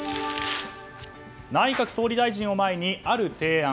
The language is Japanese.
内閣総理大臣を前に、ある提案。